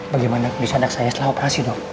bagaimana kebijakan saya setelah operasi dok